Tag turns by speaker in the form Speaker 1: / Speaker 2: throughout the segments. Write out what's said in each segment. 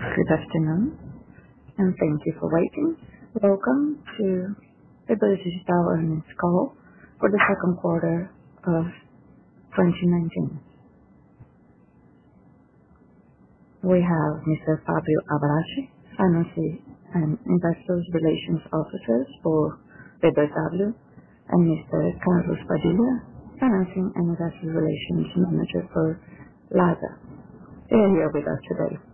Speaker 1: Good afternoon, and thank you for waiting. Welcome to the B2W earnings call for the second quarter of 2019. We have Mr. Fábio Abrate, CFO and Investor Relations Officer for B2W, and Mr. Carlos Padilha, Financing and Investor Relations Manager for Lojas Americanas. They are here with us today.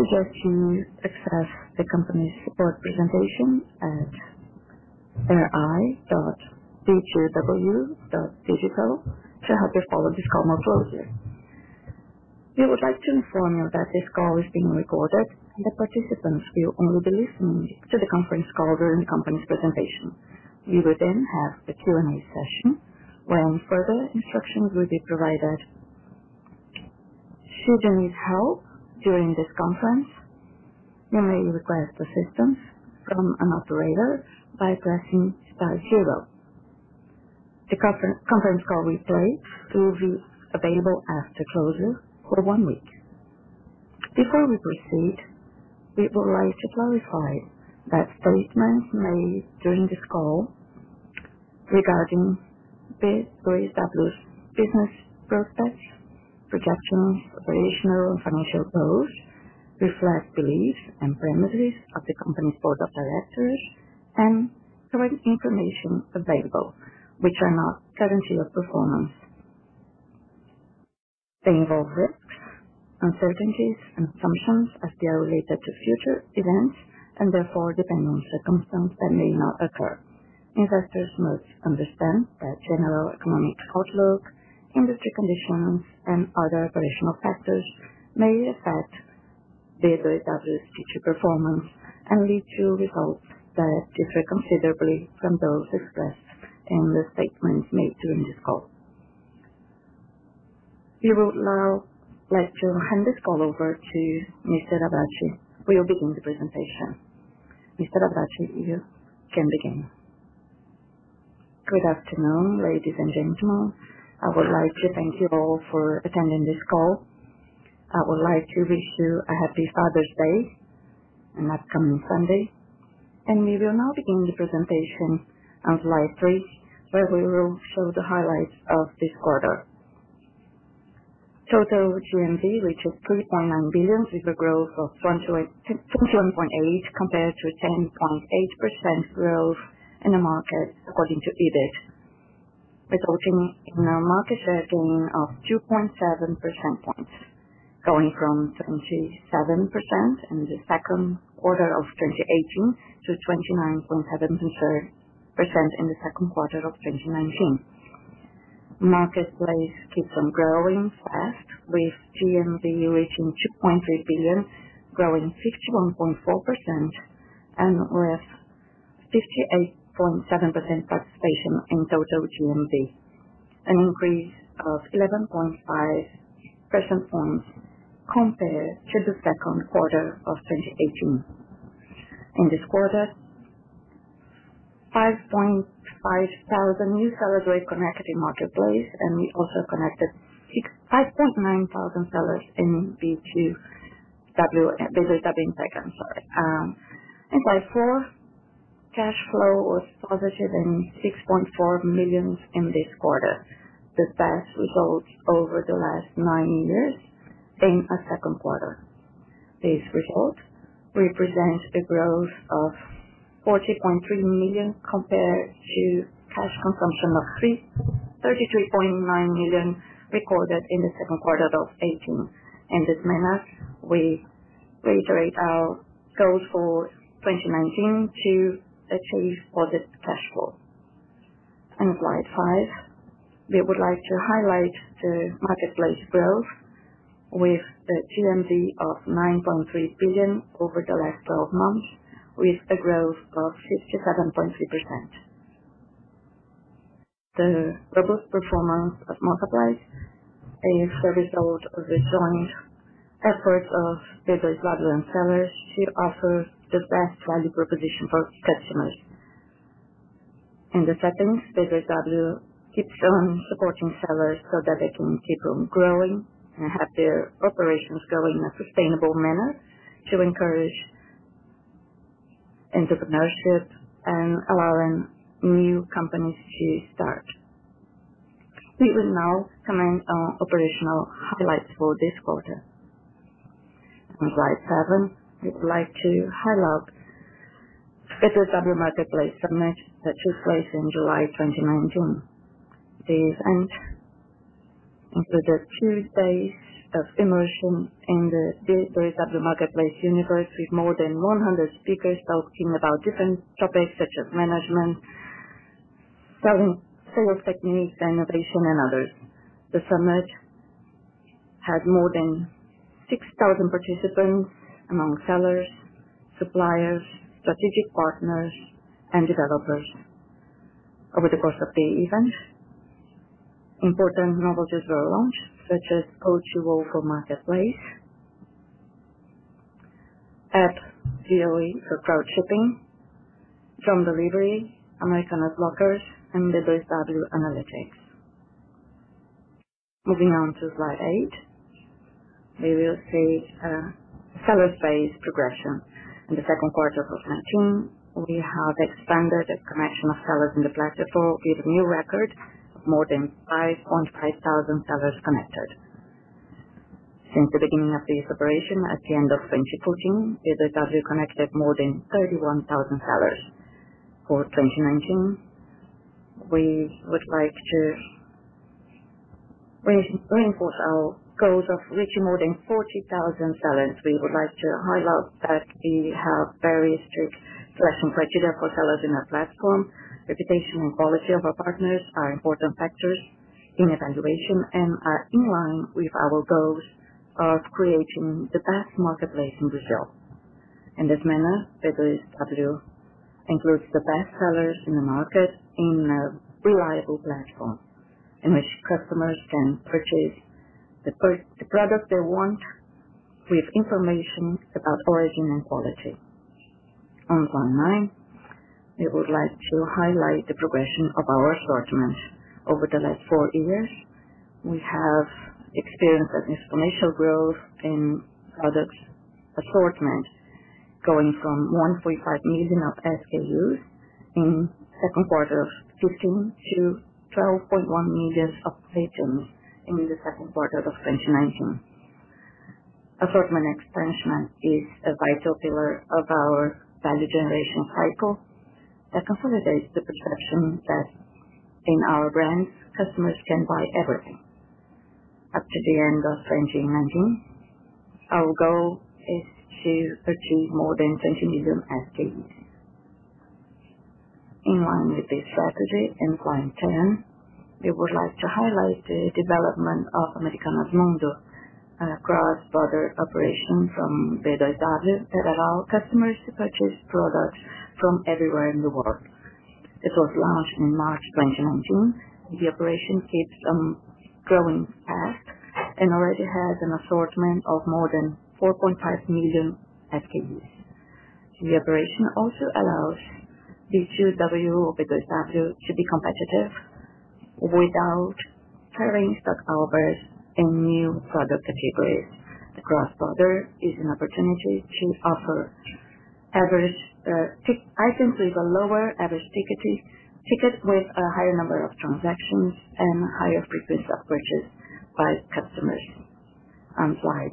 Speaker 1: We suggest you access the company's presentation at ri.b2w.digital to help you follow this call more closely. We would like to inform you that this call is being recorded. The participants will only be listening to the conference call during the company's presentation. We will then have a Q&A session where further instructions will be provided. Should you need help during this conference, you may request assistance from an operator by pressing star zero. The conference call replay will be available after closure for one week. Before we proceed, we would like to clarify that statements made during this call regarding B2W's business prospects, projections, operational and financial goals reflect the beliefs and premises of the company's board of directors and current information available, which are not a guarantee of performance. They involve risks, uncertainties, and assumptions as they are related to future events and therefore depend on circumstances that may not occur. Investors must understand that general economic outlook, industry conditions, and other operational factors may affect B2W's future performance and lead to results that differ considerably from those expressed in the statements made during this call. We would now like to hand this call over to Mr. Abrate, who will begin the presentation. Mr. Abrate, you can begin.
Speaker 2: Good afternoon, ladies and gentlemen. I would like to thank you all for attending this call. I would like to wish you a happy Father's Day on upcoming Sunday. We will now begin the presentation on slide three, where we will show the highlights of this quarter. Total GMV, which is 3.9 billion with a growth of 21.8% compared to 10.8% growth in the market according to Ebit, resulting in a market share gain of 2.7%, going from 27% in the second quarter of 2018 to 29.7% in the second quarter of 2019. Marketplace keeps on growing fast, with GMV reaching 2.3 billion, growing 51.4% and with 58.7% participation in total GMV. An increase of 11.5% compared to the second quarter of 2018. In this quarter, 5,500 new sellers were connected in Marketplace. We also connected 5,900 sellers in B2W. By four, cash flow was positive in 6.4 million in this quarter. The best results over the last nine years in a second quarter. This result represents a growth of 40.3 million compared to cash consumption of 33.9 million recorded in the second quarter of 2018. In this manner, we reiterate our goals for 2019 to achieve positive cash flow. On slide five, we would like to highlight the Marketplace growth with a GMV of 9.3 billion over the last 12 months with a growth of 57.3%. The robust performance of Marketplace is a result of the joint efforts of B2W and sellers to offer the best value proposition for customers. In the settings, B2W keeps on supporting sellers so that they can keep on growing and have their operations grow in a sustainable manner to encourage entrepreneurship and allowing new companies to start. We will now comment on operational highlights for this quarter. On slide seven, we would like to highlight B2W Marketplace Summit that took place in July 2019. This event included two days of immersion in the B2W marketplace universe with more than 100 speakers talking about different topics such as management, selling techniques, and innovation, and others. The summit had more than 6,000 participants among sellers, suppliers, strategic partners, and developers. Over the course of the event, important novelties were launched, such as O2O for Marketplace Apps, BOE for crowdshipping, home delivery, Americanas Logística, and B2W Analytics. Moving on to slide eight, we will see a seller space progression. In the second quarter of 2019, we have expanded the connection of sellers in the platform with a new record of more than 5.5000 sellers connected. Since the beginning of this operation at the end of 2014, B2W connected more than 31,000 sellers. For 2019, we would like to reinforce our goals of reaching more than 40,000 sellers. We would like to highlight that we have very strict selection criteria for sellers in our platform. Reputation and quality of our partners are important factors in evaluation and are in line with our goals of creating the best marketplace in Brazil. In this manner, B2W includes the best sellers in the market in a reliable platform in which customers can purchase the product they want with information about origin and quality. On slide nine, we would like to highlight the progression of our assortment. Over the last four years, we have experienced an exponential growth in product assortment, going from 1.5 million SKUs in second quarter of 2015 to 12.1 million items in the second quarter of 2019. Assortment expansion is a vital pillar of our value generation cycle that consolidates the perception that in our brands, customers can buy everything. Up to the end of 2019, our goal is to achieve more than 20 million SKUs. In line with this strategy, in slide 10, we would like to highlight the development of Americanas Mundo, a cross-border operation from B2W that allow customers to purchase products from everywhere in the world. It was launched in March 2019. The operation keeps on growing fast and already has an assortment of more than 4.5 million SKUs. The operation also allows B2W to be competitive without covering stockovers in new product categories. The cross-border is an opportunity to offer items with a lower average ticket with a higher number of transactions and higher frequency of purchase by customers. On slide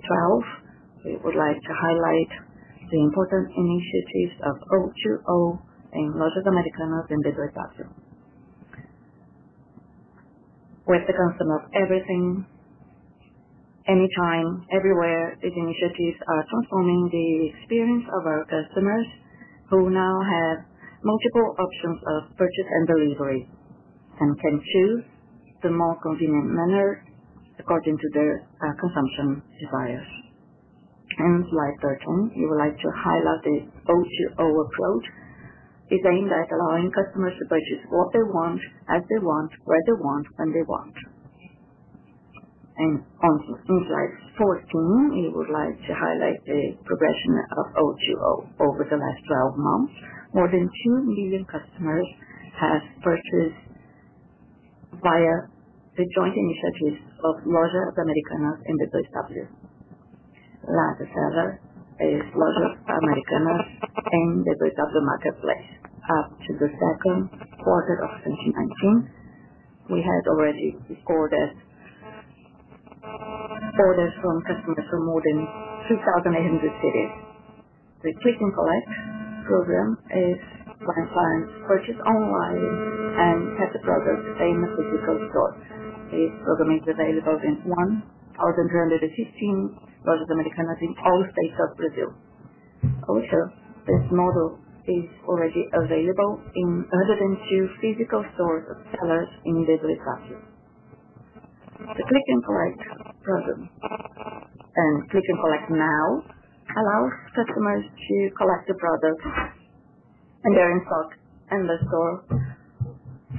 Speaker 2: 12, we would like to highlight the important initiatives of O2O in Lojas Americanas and B2W. With the concept of everything, anytime, everywhere, these initiatives are transforming the experience of our customers who now have multiple options of purchase and delivery. Can choose the more convenient manner according to their consumption desires. In slide 13, we would like to highlight the O2O approach. It's aimed at allowing customers to purchase what they want, as they want, where they want, when they want. On slide 14, we would like to highlight the progression of O2O over the last 12 months. More than 2 million customers have purchased via the joint initiatives of Lojas Americanas and B2W. Slide 17 is Lojas Americanas and the B2W Marketplace. Up to the second quarter of 2019, we had already recorded orders from customers from more than 2,800 cities. The Click and Collect program is when clients purchase online and get the product in a physical store. This program is available in 1,315 Lojas Americanas in all states of Brazil. Also, this model is already available in 102 physical stores of sellers in B2W. The Click and Collect program and Click and Collect Now allows customers to collect the products when they're in stock in the store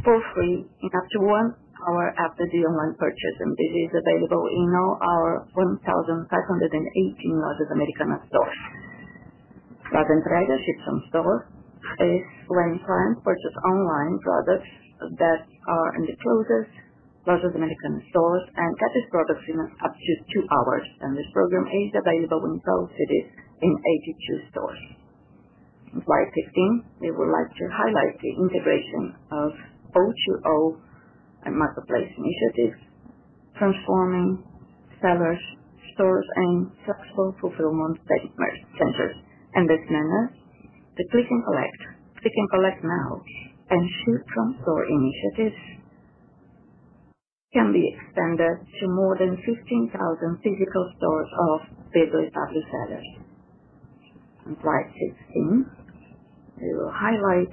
Speaker 2: for free up to one hour after the online purchase, and this is available in all our 1,518 Lojas Americanas stores. Buy and Ride Ship from Store is when clients purchase online products that are in the closest Lojas Americanas stores and get these products in up to two hours. This program is available in 12 cities in 82 stores. Slide 15, we would like to highlight the integration of O2O and Marketplace initiatives, transforming sellers, stores, and successful fulfillment by merchant centers. In this manner, the Click and Collect, Click and Collect Now, and Ship from Store initiatives can be extended to more than 15,000 physical stores of B2W sellers. On slide 16, we will highlight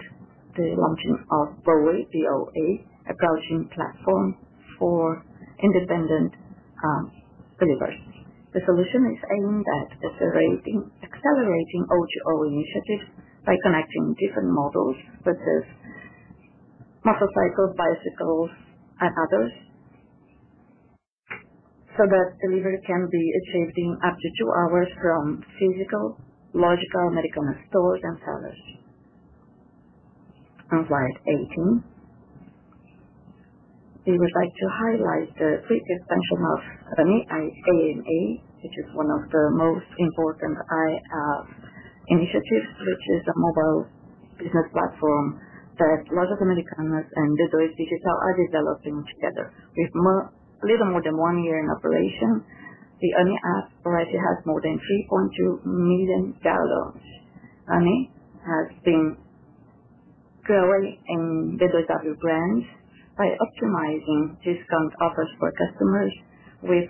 Speaker 2: the launching of BOE, a crowdshipping platform for independent deliveries. The solution is aimed at accelerating O2O initiatives by connecting different models such as motorcycles, bicycles, and others. So that delivery can be achieved in up to two hours from physical, Lojas Americanas stores and sellers. Slide 18. We would like to highlight the quick expansion of the Ame app, which is one of the most important initiatives, which is a mobile business platform that Lojas Americanas and B2W Digital are developing together. With little more than one year in operation, the Ame app already has more than 3.2 million downloads. Ame has been growing in B2W brands by optimizing discount offers for customers with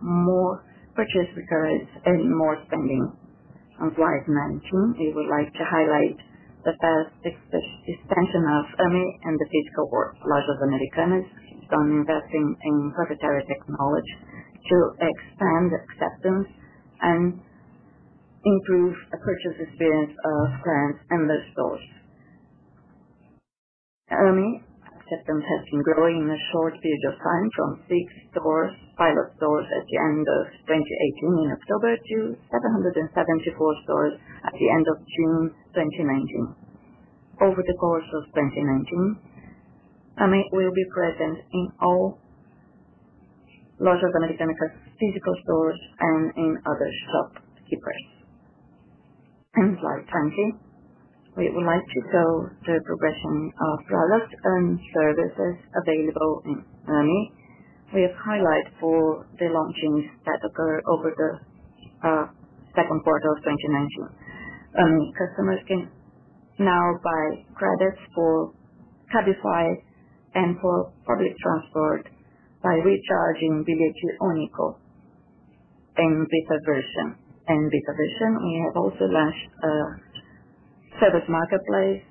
Speaker 2: more purchase recurrence and more spending. On slide 19, we would like to highlight the fast expansion of Ame in the physical world. Lojas Americanas keeps on investing in proprietary technology to expand acceptance and improve the purchase experience of brands and their stores. Ame acceptance has been growing in a short period of time from six pilot stores at the end of 2018 in October, to 774 stores at the end of June 2019. Over the course of 2019, Ame will be present in all Lojas Americanas' physical stores and in other shopkeepers. Slide 20. We would like to show the progression of products and services available in Ame. We have highlights for the launches that occur over the second quarter of 2019. Ame customers can now buy credits for Cabify and for public transport by recharging Bilhete Único in beta version. In beta version, we have also launched a service marketplace,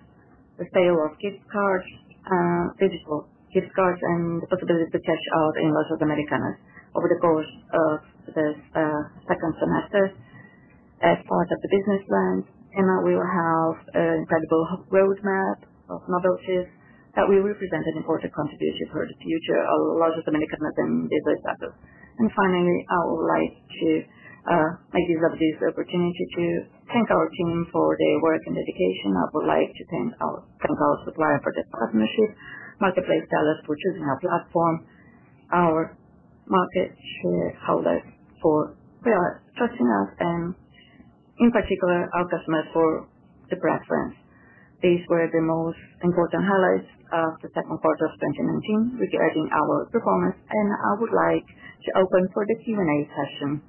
Speaker 2: the sale of gift cards, digital gift cards, and the possibility to cash out in Lojas Americanas. Over the course of this second semester, as part of the business plans, Ame will have an incredible roadmap of novelties that will represent an important contribution for the future of Lojas Americanas and B2W Digital. Finally, I would like to use this opportunity to thank our team for their work and dedication. I would like to thank our supplier for their partnership, marketplace sellers for choosing our platform, our market shareholders for their trust in us, and in particular, our customers for the preference. These were the most important highlights of the second quarter of 2019 regarding our performance. I would like to open for the Q&A session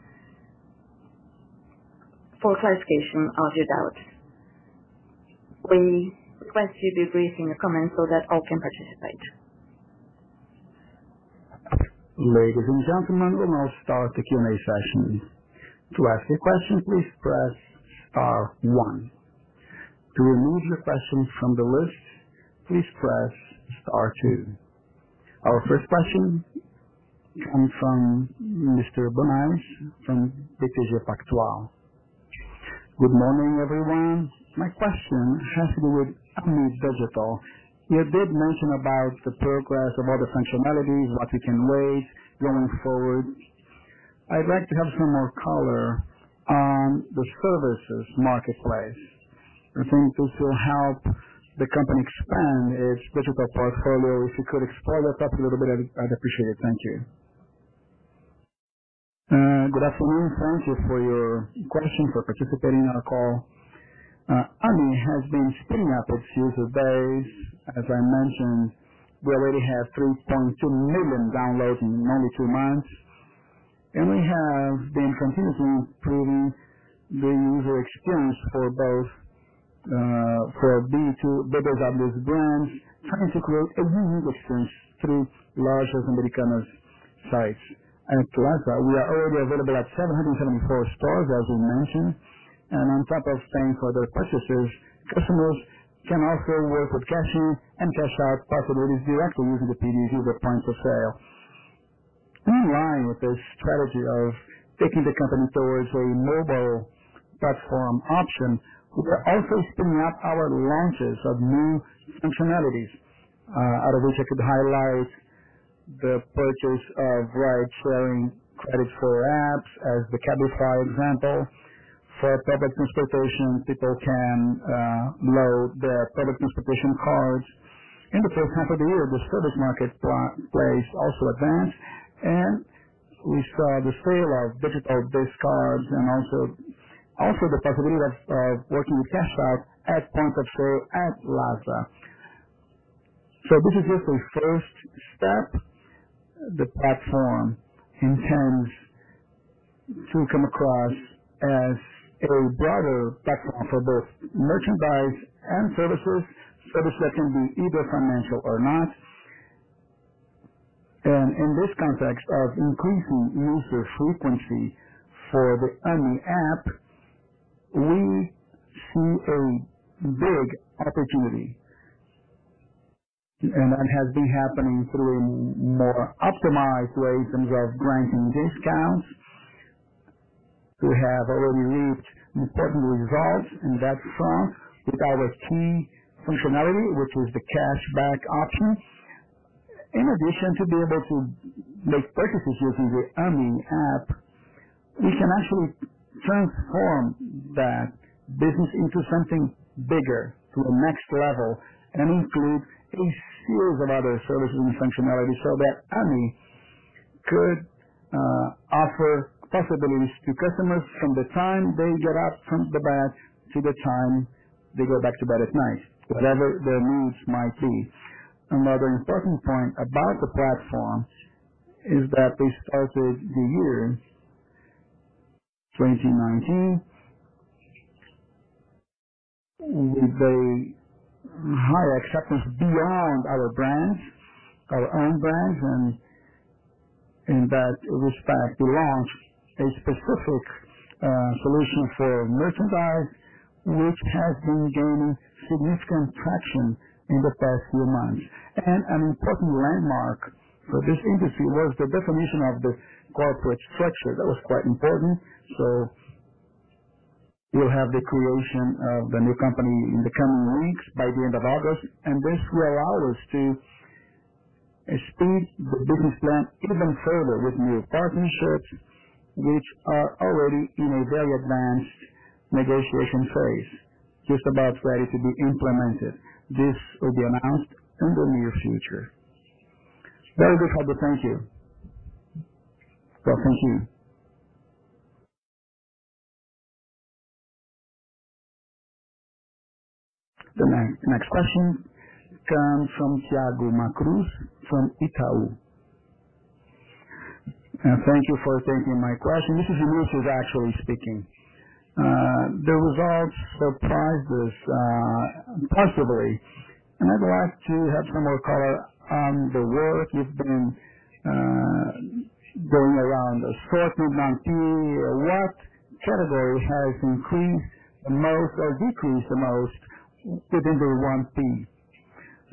Speaker 2: for clarification of your doubts. We request you be brief in your comments so that all can participate.
Speaker 1: Ladies and gentlemen, we now start the Q&A session. To ask a question, please press star one. To remove your question from the list, please press star two. Our first question comes from Mr. Bonays from BTG Pactual. Good morning, everyone. My question has to do with Ame Digital. You did mention about the progress of all the functionalities, what we can wait going forward. I'd like to have some more color on the services marketplace. I think this will help the company expand its digital portfolio. If you could explore that topic a little bit, I'd appreciate it.
Speaker 2: Thank you. Good afternoon. Thank you for your question, for participating on our call. Ame has been speeding up its user base. As I mentioned, we already have 3.2 million downloads in only two months, and we have been continuously improving the user experience for both B2B as well as brands trying to create a new user experience through Lojas Americanas sites. At Lojas, we are already available at 774 stores, as we mentioned. On top of paying for their purchases, customers can also work with cashing and cash out possibilities directly using the PDU at point of sale. In line with this strategy of taking the company towards a mobile platform option, we are also spinning up our launches of new functionalities, out of which I could highlight the purchase of ride-sharing credits for apps as the Cabify example. For public transportation, people can load their public transportation cards. In the first half of the year, the service marketplace also advanced, and we saw the sale of digital gift cards and also the possibility of working with cash out at point of sale at Lojas Americanas. This is just a first step. The platform intends to come across as a broader platform for both merchandise and services. Services that can be either financial or not. In this context of increasing user frequency for the Ame app, we see a big opportunity. That has been happening through more optimized ways in terms of granting discounts. We have already reached important results on that front with our key functionality, which is the cashback option. In addition to being able to make purchases using the Ame app, we can actually transform that business into something bigger, to the next level, and include a series of other services and functionalities so that Ame could offer possibilities to customers from the time they get up from the bed, to the time they go back to bed at night, whatever their needs might be. Another important point about the platform is that we started the year 2019 with a very high acceptance beyond our brands, our own brands, and in that respect, we launched a specific solution for merchandise, which has been gaining significant traction in the past few months. An important landmark for this industry was the definition of the corporate structure. That was quite important. We'll have the creation of the new company in the coming weeks, by the end of August. This will allow us to speed the business plan even further with new partnerships, which are already in a very advanced negotiation phase, just about ready to be implemented. This will be announced in the near future. Very good, Fábio. Thank you. Well, thank you. The next question comes from Thiago Macruz from Itaú.
Speaker 3: Thank you for taking my question. This is Vinicius actually speaking. The results surprised us positively, and I'd like to have some more color on the work you've been doing around assortment, MP. What category has increased the most or decreased the most within the 1P?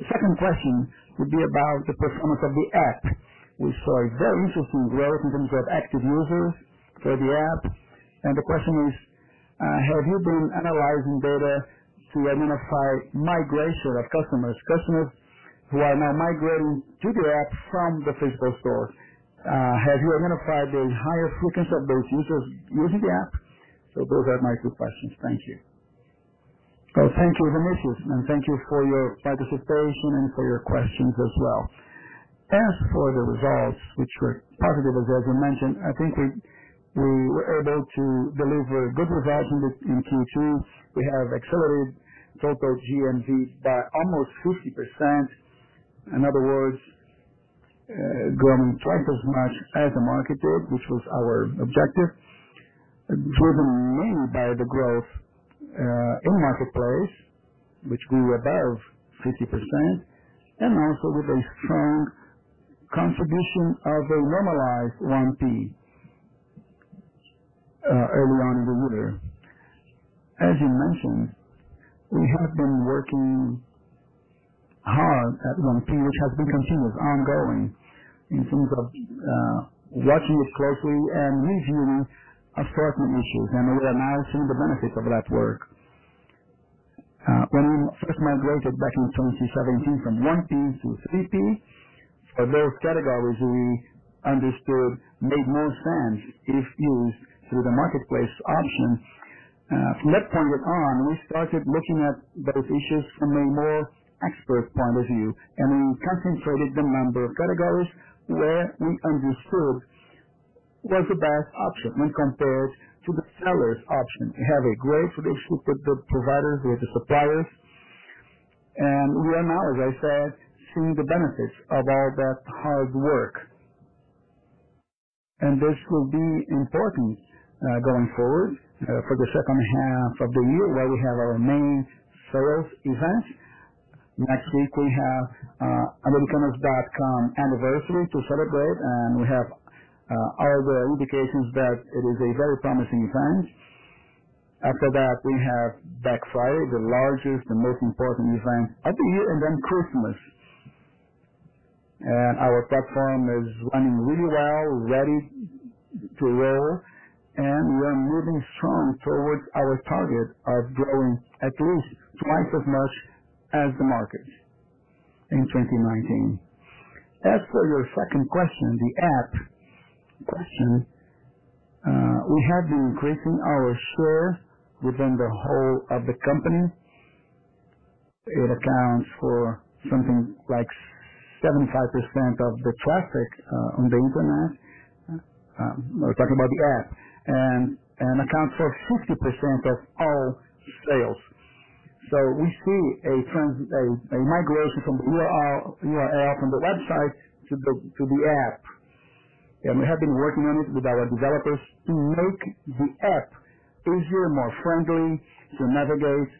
Speaker 3: The second question would be about the performance of the app. We saw a very interesting growth in terms of active users for the app. The question is, have you been analyzing data to identify migration of customers? Customers who are now migrating to the app from the physical store. Have you identified a higher frequency of those users using the app? Those are my two questions. Thank you.
Speaker 2: Thank you, Vinicius, and thank you for your participation and for your questions as well. As for the results, which were positive, as I mentioned, I think we were able to deliver good results in Q2. We have accelerated total GMV by almost 50%. In other words, growing twice as much as the market did, which was our objective, driven mainly by the growth in marketplace, which grew above 50%, and also with a strong contribution of a normalized 1P early on in the quarter. As you mentioned, we have been working hard at 1P, which has been continuous, ongoing, in terms of watching it closely and reviewing assortment issues. We are now seeing the benefits of that work. When we first migrated back in 2017 from 1P to 3P, for those categories we understood made more sense if used through the marketplace option. From that point on, we started looking at those issues from a more expert point of view. We concentrated the number of categories where we understood was the best option when compared to the seller's option. We have a great relationship with the providers, with the suppliers. We are now, as I said, seeing the benefits of all that hard work. This will be important going forward for the second half of the year, where we have our main sales event. Next week, we have Americanas.com anniversary to celebrate, and we have all the indications that it is a very promising event. After that, we have Black Friday, the largest and most important event of the year, and then Christmas. Our platform is running really well, ready to roll, and we are moving strong towards our target of growing at least twice as much as the market in 2019. As for your second question, the app question, we have been increasing our share within the whole of the company. It accounts for something like 75% of the traffic on the Internet. We're talking about the app. Accounts for 60% of all sales. We see a migration from the URL from the website to the app. We have been working on it with our developers to make the app easier, more friendly to navigate,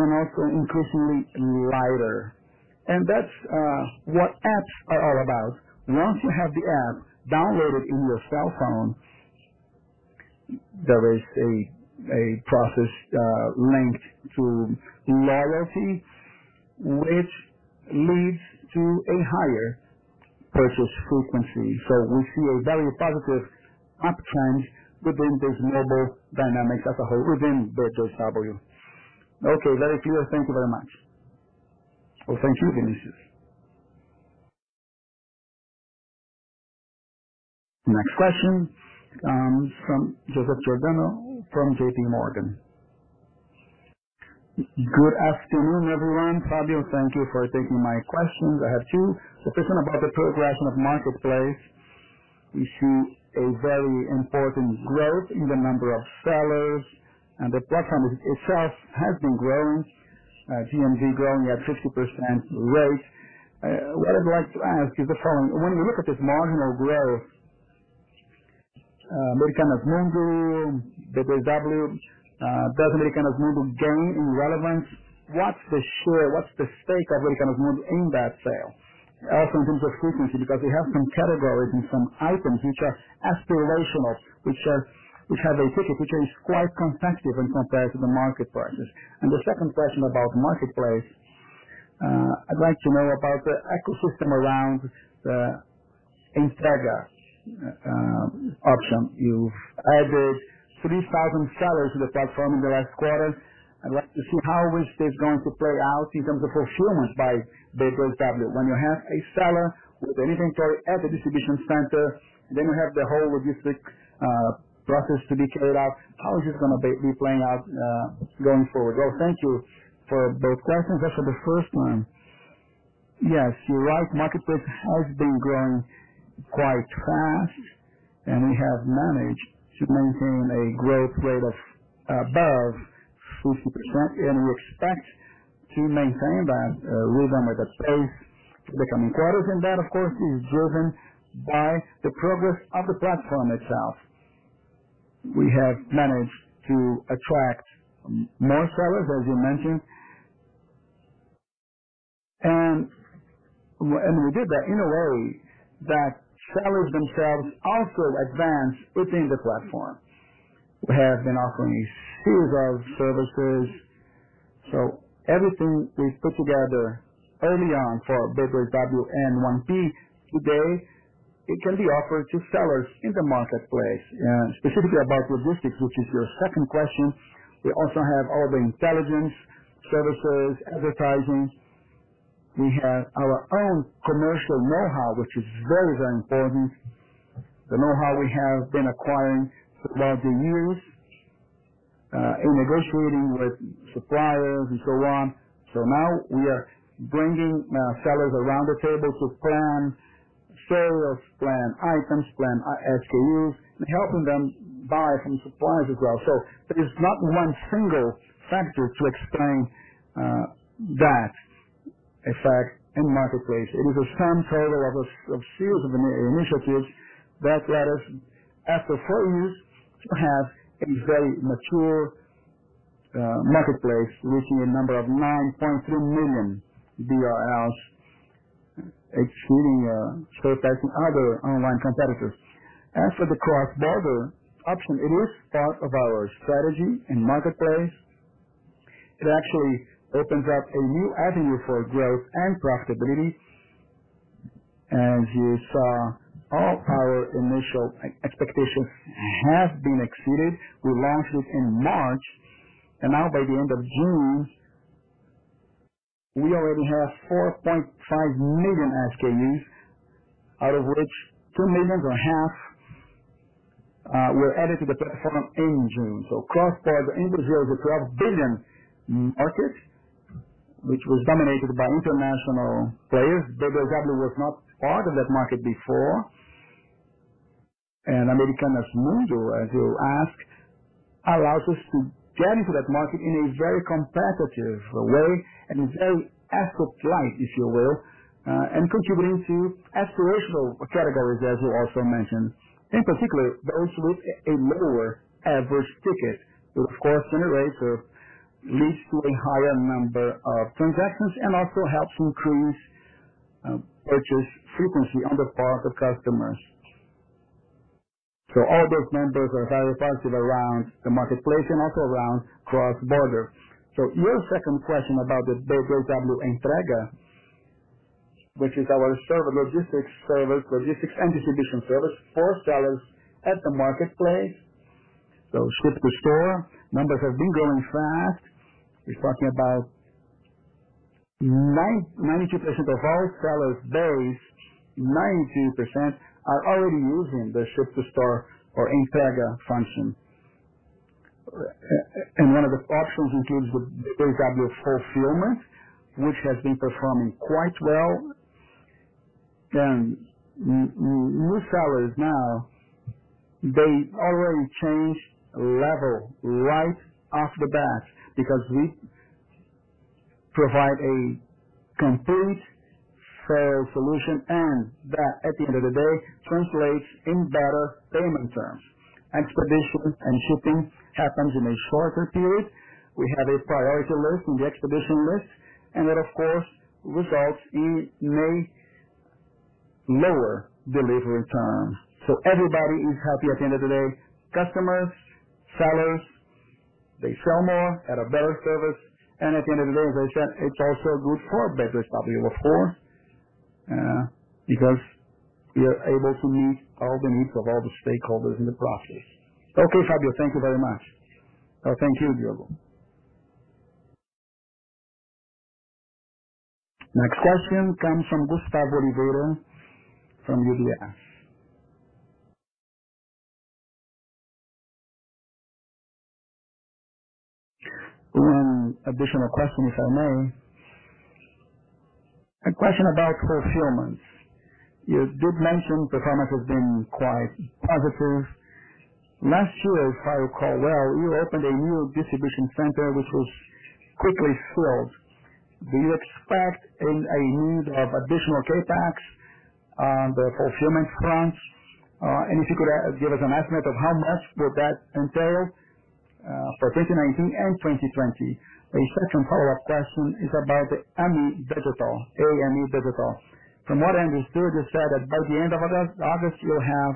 Speaker 2: and also increasingly lighter.
Speaker 3: That's what apps are all about. Once you have the app downloaded in your cell phone, there is a process linked to loyalty which leads to a higher purchase frequency. We see a very positive uptrend within these noble dynamics as a whole within B2W. Okay. Very clear. Thank you very much.
Speaker 2: Thank you, Vinicius. Next question from Joseph Giordano from J.P. Morgan.
Speaker 4: Good afternoon, everyone. Fabio, thank you for taking my questions. I have two. The first one about the progression of marketplace. We see a very important growth in the number of sellers, and the platform itself has been growing, GMV growing at 60% rate. What I'd like to ask is the following. When you look at this marginal growth, Americanas Mundo, B2W, does Americanas Mundo gain in relevance? What's the share? What's the stake of Americanas Mundo in that sale? In terms of frequency, because we have some categories and some items which are aspirational, which have a ticket, which is quite competitive when compared to the market partners. The second question about Marketplace, I'd like to know about the ecosystem around the Entrega option. You've added 3,000 sellers to the platform in the last quarter. I'd like to see how is this going to play out in terms of fulfillment by B2W. When you have a seller with an inventory at the distribution center, then you have the whole logistic process to be carried out. How is this going to be playing out going forward? Well, thank you for both questions. As for the first one, yes, you're right.
Speaker 2: Marketplace has been growing quite fast, and we have managed to maintain a growth rate of above 50%, and we expect to maintain that rhythm at a pace in the coming quarters. That, of course, is driven by the progress of the platform itself. We have managed to attract more sellers, as you mentioned. We did that in a way that sellers themselves also advance within the platform. We have been offering a series of services. Everything we put together early on for B2W and 1P today, it can be offered to sellers in the marketplace. Specifically about logistics, which is your second question. We also have all the intelligence services, advertising. We have our own commercial knowhow, which is very, very important. The knowhow we have been acquiring throughout the years in negotiating with suppliers and so on. Now we are bringing sellers around the table to plan sales, plan items, plan SKUs, and helping them buy from suppliers as well. There is not one single factor to explain that effect in marketplace. It is a sum total of series of initiatives that let us, after four years, to have a very mature marketplace reaching a number of 9.3 million BRL, exceeding [store type] and other online competitors. As for the cross-border option, it is part of our strategy in marketplace. It actually opens up a new avenue for growth and profitability. As you saw, all our initial expectations have been exceeded. We launched it in March, and now by the end of June, we already have 4.5 million SKUs, out of which 2 million or half were added to the platform in June. Cross-border in Brazil is a 12 billion market, which was dominated by international players. B2W was not part of that market before. Americanas Mundo, as you ask, allows us to get into that market in a very competitive way and a very asset-light, if you will, and contributing to aspirational categories, as you also mentioned. In particular, those with a lower average ticket will, of course, generate or leads to a higher number of transactions and also helps increase purchase frequency on the part of customers. All those members are very positive around the marketplace and also around cross-border. Your second question about the B2W Entrega, which is our logistics and distribution service for sellers at the marketplace. Ship to store numbers have been growing fast. We're talking about 92% of our sellers base, 92%, are already using the ship to store or Entrega function. One of the options includes the B2W Fulfillment, which has been performing quite well. New sellers now, they already change level right off the bat because we provide a complete sales solution, and that at the end of the day translates in better payment terms. Expeditions and shipping happens in a shorter period. We have a priority list in the expedition list, and that of course, results in a lower delivery times. Everybody is happy at the end of the day. Customers, sellers, they sell more at a better service, and at the end of the day, as I said, it's also good for B2W, because we are able to meet all the needs of all the stakeholders in the process. Okay, Fábio. Thank you very much. Thank you, Diogo.
Speaker 1: Next question comes from Gustavo Oliveira from UBS.
Speaker 5: One additional question, if I may. A question about fulfillments. You did mention performance has been quite positive. Last year, if I recall well, you opened a new distribution center, which was quickly filled. Do you expect a need of additional CapEx on the fulfillment front? If you could give us an estimate of how much would that entail for 2019 and 2020. A second follow-up question is about the Ame Digital. From what I understood, you said that by the end of August, you'll have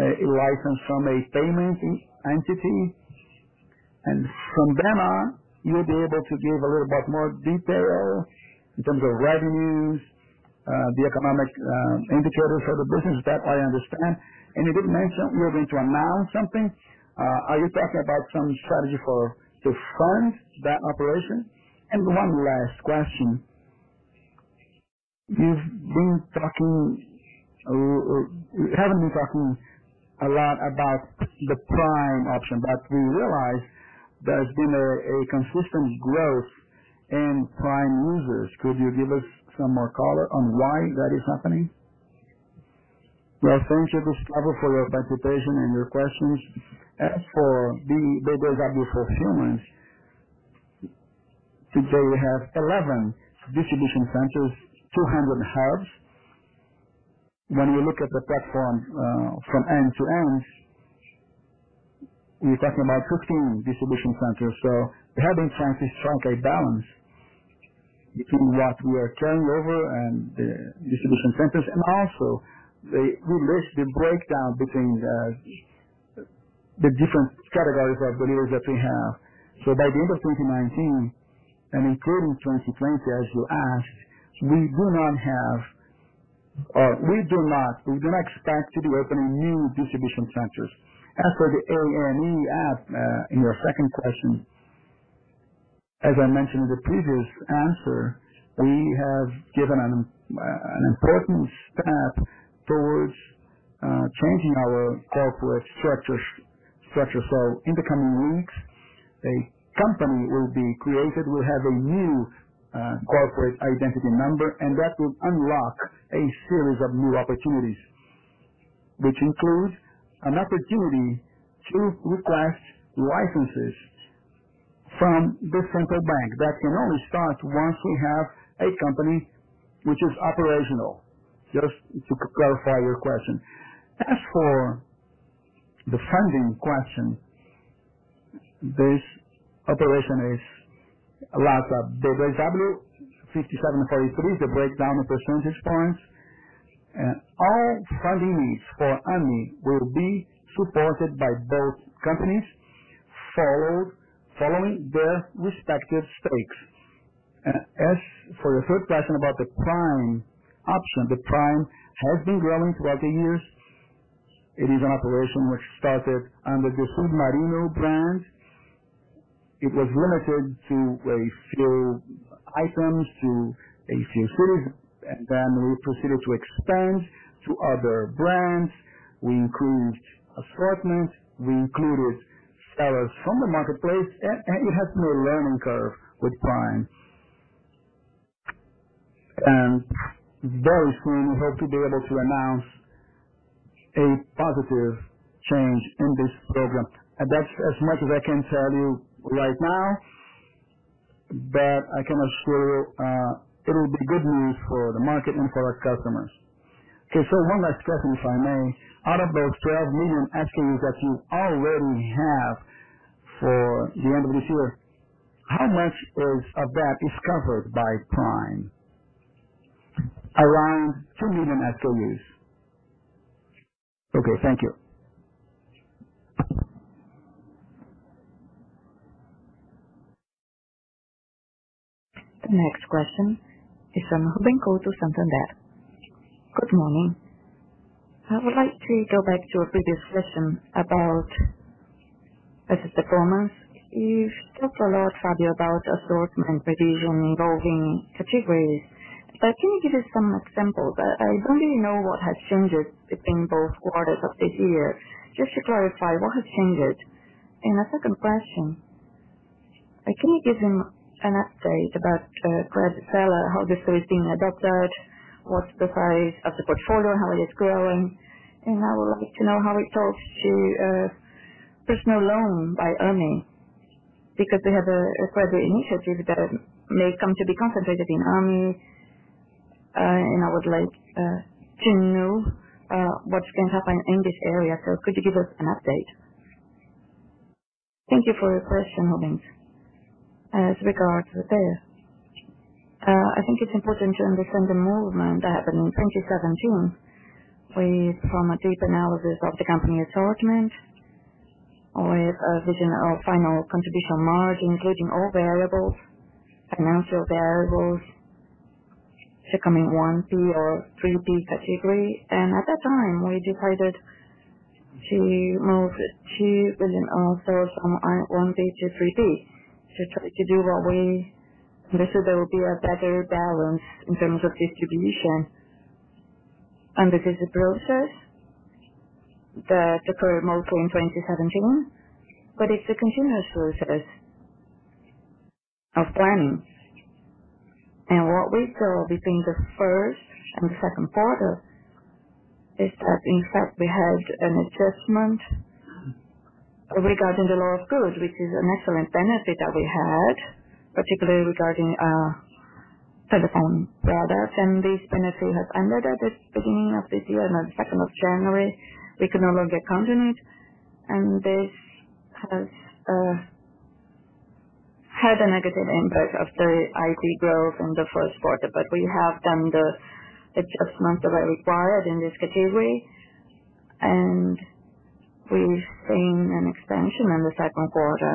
Speaker 5: a license from a payment entity, and from then on, you'll be able to give a little bit more detail in terms of revenues, the economic indicators for the business. That I understand. You did mention you're going to announce something. Are you talking about some strategy to fund that operation? One last question. You haven't been talking a lot about the Prime option, but we realize there's been a consistent growth in Prime users. Could you give us some more color on why that is happening?
Speaker 2: Well, thank you, Gustavo, for your participation and your questions. As for the B2W Fulfillment, today we have 11 distribution centers, 200 hubs. When we look at the platform from end to end, we are talking about 15 distribution centers. We have in fact a balance between what we are turning over and the distribution centers. Also, we list the breakdown between the different categories of deliveries that we have. By the end of 2019, including 2020, as you asked, we do not expect to be opening new distribution centers. As for the Ame app, in your second question, as I mentioned in the previous answer, we have given an important step towards changing our corporate structure. In the coming weeks, a company will be created. We'll have a new corporate identity number, that will unlock a series of new opportunities, which includes an opportunity to request licenses from the central bank. That can only start once we have a company which is operational, just to clarify your question. As for the funding question, this operation is a lot of 5,743, the breakdown of percentage points. All funding needs for Ame will be supported by both companies, following their respective stakes. As for the third question about the Prime option, Prime has been growing throughout the years. It is an operation which started under the Submarino brand. It was limited to a few items, to a few cities, and then we proceeded to expand to other brands. We included assortments, we included sellers from the marketplace, and it has no learning curve with Prime. Very soon, we hope to be able to announce a positive change in this program. That's as much as I can tell you right now, but I can assure you it will be good news for the market and for our customers. Okay. One last question, if I may. Out of those 12 million SKUs that you already have for the end of this year, how much of that is covered by Prime? Around two million SKUs. Okay. Thank you.
Speaker 1: The next question is from Ruben Couto, Santander.
Speaker 6: Good morning. I would like to go back to a previous question about business performance. You've talked a lot, Fábio, about assortment revision involving categories. Can you give us some examples? I don't really know what has changed between both quarters of this year. Just to clarify, what has changed? A second question. Can you give him an update about Credseller, how the service is being adopted, what's the size of the portfolio, and how it is growing? I would like to know how it talks to personal loan by Ame, because they have a credit initiative that may come to be concentrated in Ame. I would like to know what's going to happen in this area. Could you give us an update? Thank you for your question, Roberto.
Speaker 2: As regards to this, I think it's important to understand the movement that happened in 2017. We, from a deep analysis of the company assortment, with a vision of final contribution margin, including all variables, financial variables, becoming 1P or 3P category. At that time, we decided to move BRL 2 billion of sales from 1P to 3P to do what we will be a better balance in terms of distribution. This is a process that occurred mostly in 2017, but it's a continuous process of planning. What we saw between the first and the second quarter is that in fact, we had an adjustment regarding the Lei do Bem, which is an excellent benefit that we had, particularly regarding telephone products. This benefit has ended at the beginning of this year, on the 2nd of January. We can no longer count on it, this has had a negative impact of the IG growth in the first quarter. We have done the adjustments that are required in this category, and we've seen an expansion in the second quarter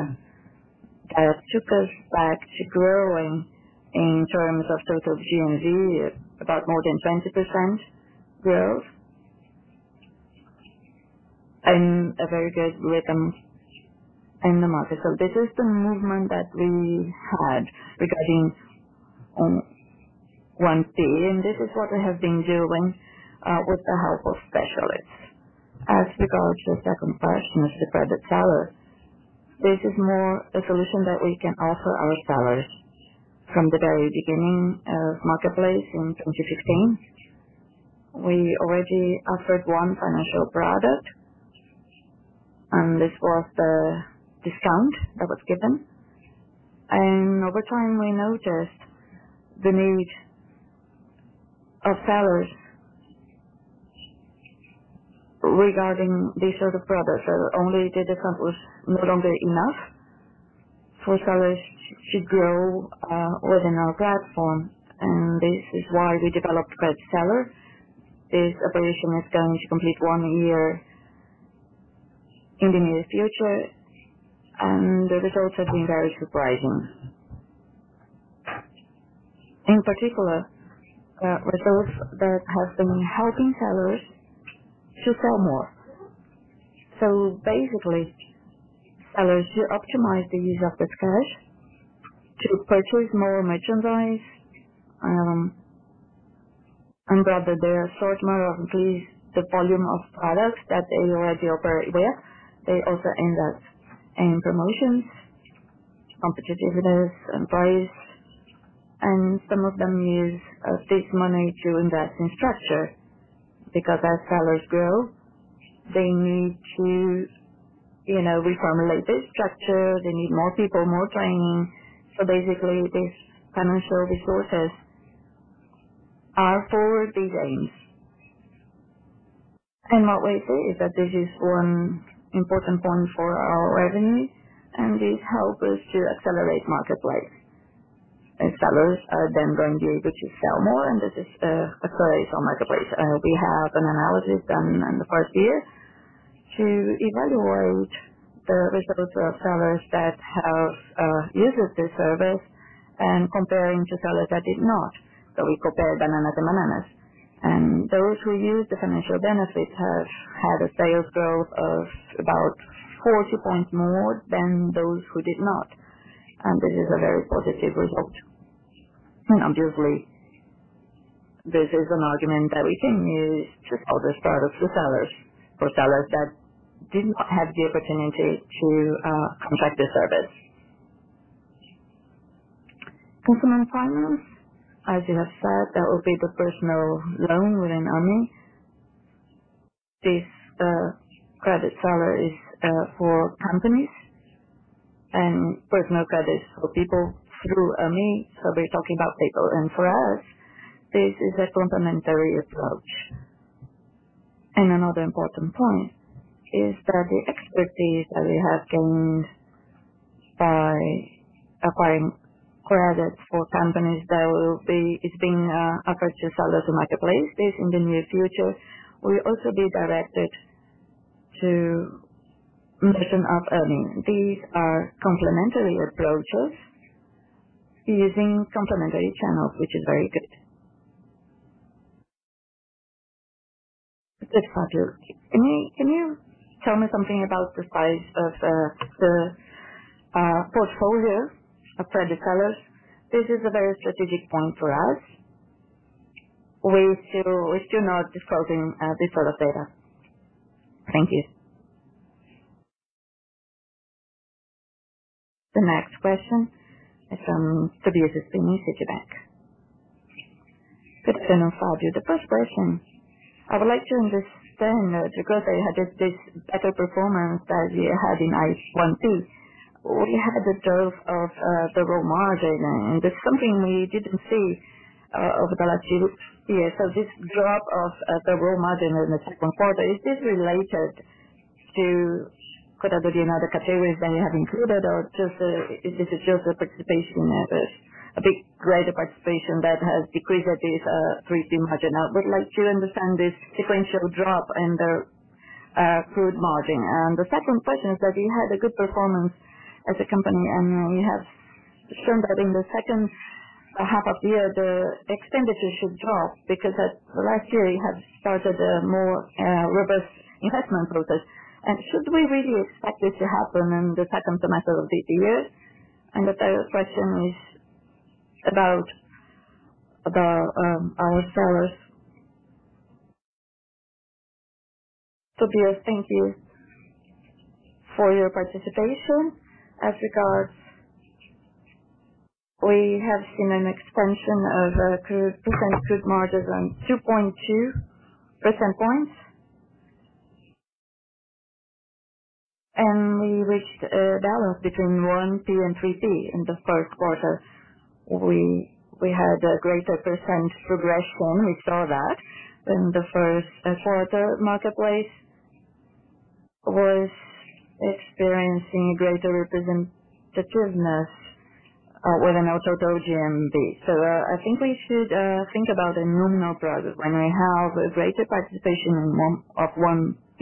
Speaker 2: that took us back to growing in terms of total GMV, about more than 20% growth, and a very good rhythm in the market. This is the movement that we had regarding 1P, and this is what we have been doing with the help of specialists. As regards to the second question of the Credit Seller, this is more a solution that we can offer our sellers. From the very beginning of Marketplace in 2016, we already offered one financial product, and this was the discount that was given. Over time, we noticed the need of sellers regarding this sort of product, that only the discount was no longer enough for sellers to grow within our platform. This is why we developed Credit Seller. This operation is going to complete one year in the near future, and the results have been very surprising. In particular, results that have been helping sellers to sell more. Basically, sellers who optimize the use of this cash to purchase more merchandise and rather their assortment or increase the volume of products that they already operate with. They also end up in promotions, competitiveness, and price. Some of them use this money to invest in structure. Because as sellers grow, they need to reformulate their structure. They need more people, more training. Basically, these financial resources are for these aims. What we see is that this is one important point for our revenue, this help us to accelerate Marketplace. Sellers are then going to be able to sell more, this is a craze on Marketplace. We have an analysis done in the first year to evaluate the results of sellers that have used this service and comparing to sellers that did not. We compare bananas and bananas. Those who used the financial benefit have had a sales growth of about 40 points more than those who did not. This is a very positive result. Obviously, this is an argument that we can use to other startups or sellers that did not have the opportunity to contract this service. Consumer finance, as you have said, that will be the personal loan within Ame. This Credit Seller is for companies and personal credit is for people through Ame. We're talking about people. For us, this is a complementary approach. Another important point is that the expertise that we have gained by acquiring credit for companies that it's being offered to sellers on Marketplace. This in the near future, will also be directed to merchant of Ame. These are complementary approaches using complementary channels, which is very good. Good, Fabio. Can you tell me something about the size of the portfolio of Credit Sellers? This is a very strategic point for us. We're still not disclosing this sort of data. Thank you.
Speaker 1: The next question is from Tobias at Citibank.
Speaker 7: Good afternoon, Fabio. The first question. I would like to understand, because you had this better performance that you had in IC1B. We had the drop of the raw margin, and it's something we didn't see over the last year. This drop of the raw margin in the second quarter, is this related to other categories that you have included or this is just a participation risk, a big greater participation that has decreased? I would like to understand this sequential drop in the raw margin. The second question is that you had a good performance as a company, and you have shown that in the second half of the year, the expenditure should drop because last year you have started a more robust investment process. Should we really expect this to happen in the second semester of this year? The third question is about our sellers.
Speaker 2: Tobias, thank you for your participation. As regards, we have seen an expansion of gross margins on 2.2 percentage points. We reached a balance between 1P and 3P in the first quarter. We had a greater % progression. We saw that in the first quarter. Marketplace was experiencing greater representativeness within our total GMV. I think we should think about the nominal product. When we have a greater participation of 1P.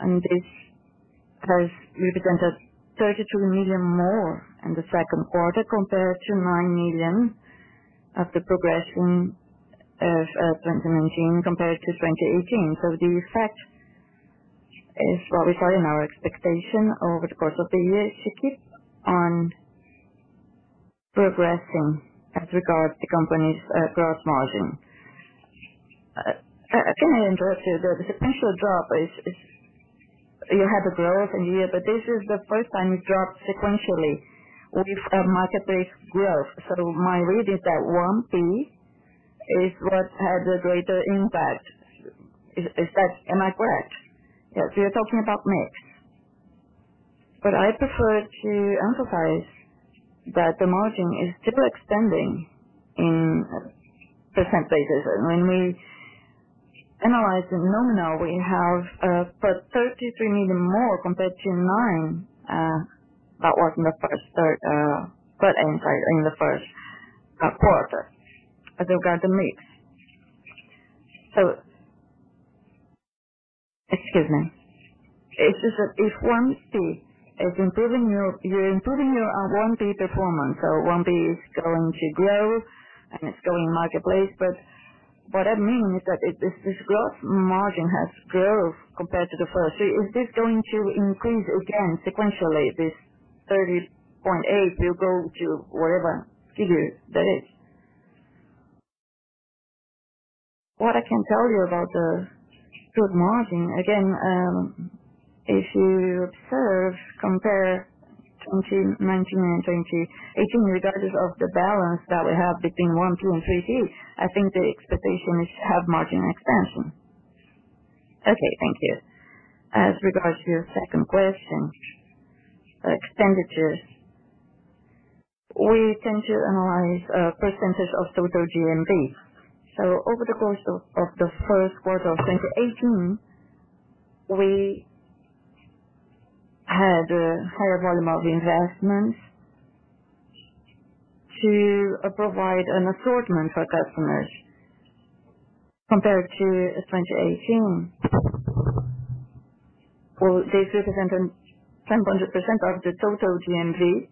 Speaker 2: This has represented 32 million more in the second quarter compared to 9 million of the progression of 2019 compared to 2018. The effect is what we said in our expectation over the course of the year to keep on progressing as regards to company's gross margin. Can I interrupt you? You had a growth in here, but this is the first time you dropped sequentially with a Marketplace growth.
Speaker 7: My read is that 1P is what had the greater impact. Am I correct?
Speaker 2: Yes. You're talking about mix. I prefer to emphasize that the margin is still expanding in % basis. When we analyze the nominal, we have put 33 million more compared to nine. That was in the first quarter as regard to mix. Excuse me. You're improving your 1P performance. 1P is going to grow and it's going marketplace. What that means is that if this growth margin has growth compared to the first three, is this going to increase again sequentially, this 30.8 will go to whatever figure that is? What I can tell you about the good margin, again, if you observe, compare 2019 and 2018, regardless of the balance that we have between 1P and 3P, I think the expectation is to have margin expansion. Okay. Thank you. As regards to your second question, expenditures. We tend to analyze percentage of total GMV. Over the course of the first quarter of 2018, we had a higher volume of investments to provide an assortment for customers compared to 2018. This represented 10.2% of the total GMV,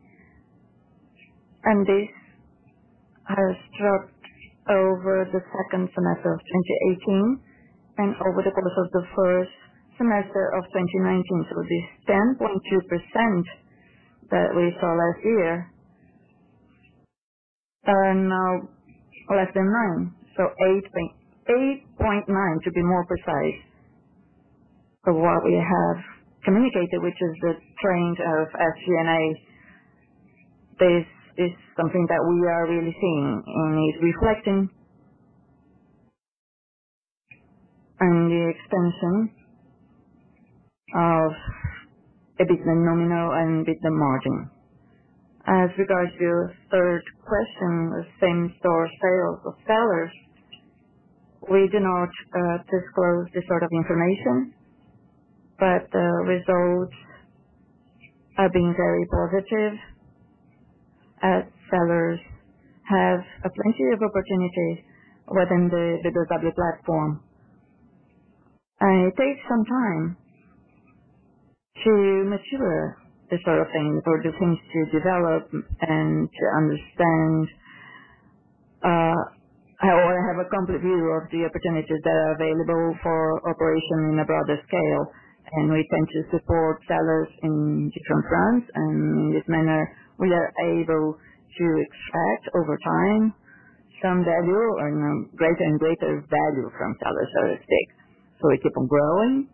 Speaker 2: and this has dropped over the second semester of 2018 and over the course of the first semester of 2019. This 10.2% that we saw last year are now less than 9. 8.9, to be more precise, of what we have communicated, which is the trend of SG&A. This is something that we are really seeing, it's reflecting on the extension of EBITDA nominal and EBITDA margin. As regards to your third question, same store sales of sellers. We do not disclose this sort of information, the results are being very positive as sellers have a plenty of opportunities within the B2W platform. It takes some time to mature this sort of thing for the things to develop and to understand. I have a complete view of the opportunities that are available for operation in a broader scale, we tend to support sellers in different fronts. In this manner, we are able to extract over time some value and greater and greater value from sellers. We keep on growing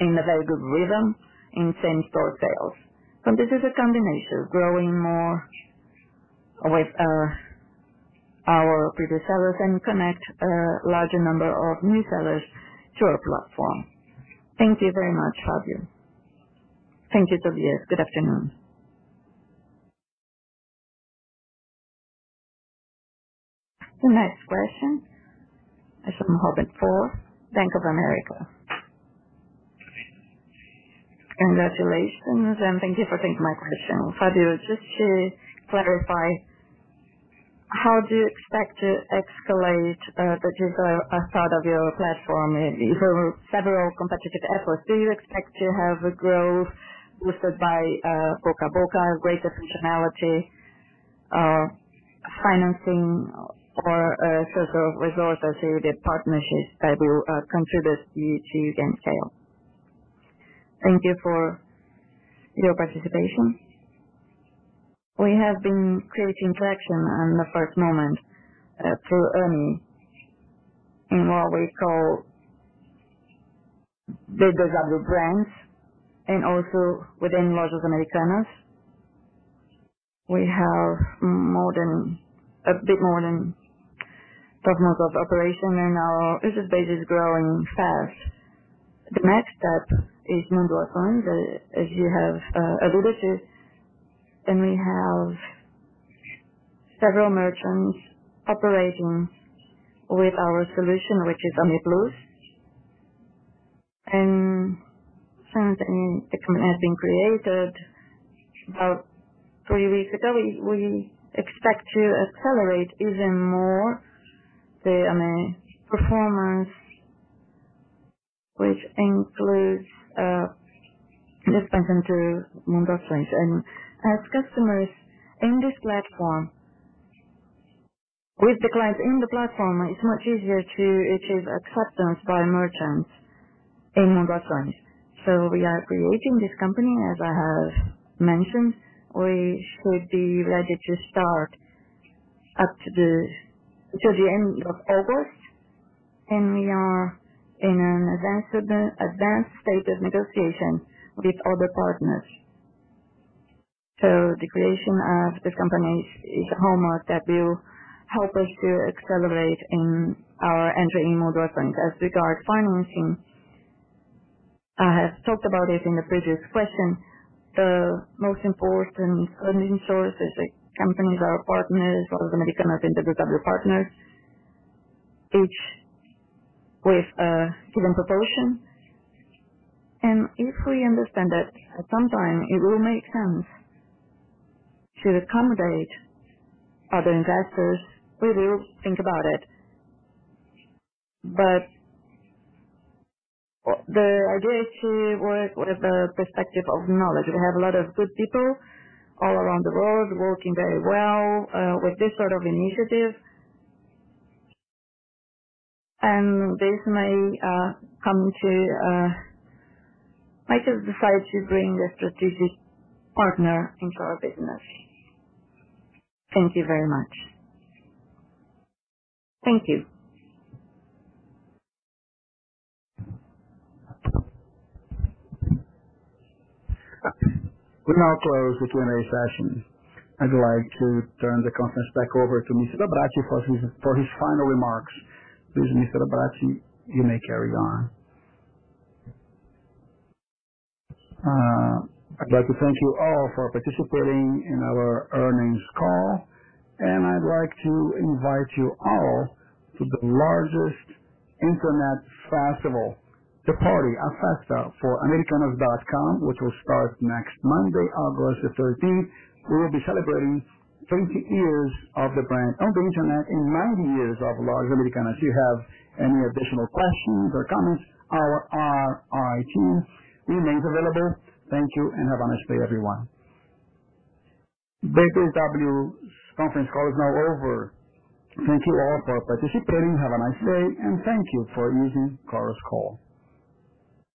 Speaker 2: in a very good rhythm in same store sales. This is a combination, growing more with our previous sellers and connect a larger number of new sellers to our platform. Thank you very much, Fabio. Thank you, Tobias. Good afternoon. The next question is from Robert Ford, Bank of America.
Speaker 8: Congratulations, and thank you for taking my question. Fabio, just to clarify, how do you expect to escalate Ame Digital as part of your platform? You have several competitive efforts. Do you expect to have a growth boosted by boca a boca, greater functionality, financing, or source of resources you did partnerships that will contribute you to gain scale? Thank you for your participation. We have been creating traction in the first moment through Ame in what we call the B2W brands and also within Lojas Americanas. We have a bit more than 12 months of operation, and our user base is growing fast. The next step is Nubank.
Speaker 2: As you have alluded to, we have several merchants operating with our solution, which is Ame Blue. Since Ame has been created about three weeks ago, we expect to accelerate even more the Ame performance, which includes expanding to Nubank. As customers in this platform, with the client in the platform, it's much easier to achieve acceptance by merchants in Nubank. We are creating this company, as I have mentioned. We should be ready to start up to the end of August, and we are in an advanced state of negotiation with other partners. The creation of this company is a hallmark that will help us to accelerate in our entry in Nubank. As regards financing, I have talked about it in the previous question. The most important funding source is the companies, our partners, Lojas Americanas, and B2W partners, each with a given proportion. If we understand that at some time it will make sense to accommodate other investors, we will think about it. The idea is to work with the perspective of knowledge. We have a lot of good people all around the world working very well with this sort of initiative. This may come to make us decide to bring a strategic partner into our business. Thank you very much. Thank you.
Speaker 1: We now close the Q&A session. I'd like to turn the conference back over to Mr. Abrahão for his final remarks. Please, Mr. Abrahão, you may carry on.
Speaker 2: I'd like to thank you all for participating in our earnings call, and I'd like to invite you all to the largest internet festival, the party, A Festa, for americanas.com, which will start next Monday, August 13th. We will be celebrating 20 years of the brand on the Internet and 90 years of Lojas Americanas. If you have any additional questions or comments, our IR team remains available. Thank you and have a nice day everyone. B2W's conference call is now over. Thank you all for participating. Have a nice day, and thank you for using Chorus Call.